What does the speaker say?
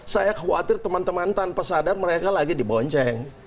saya khawatir teman teman tanpa sadar mereka lagi dibonceng